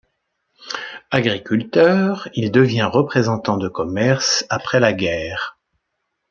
Agriculteur, il devient représentant de commerce après la guerre.